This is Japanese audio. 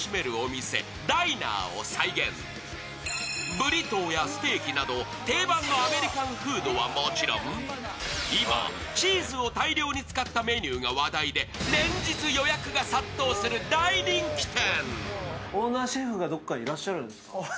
ブリトーやステーキなど定番のアメリカンフードはもちろん今、チーズを大量に使ったメニューが話題で連日予約が殺到する大人気店。